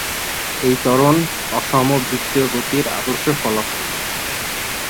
এই ত্বরণ অসম বৃত্তীয় গতির আদর্শ ফলাফল।